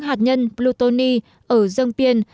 hạt nhân plutonium ở giang biên